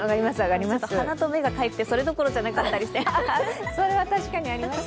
鼻と目がかゆくてそれどころじゃなかったりしてそれは確かにあります。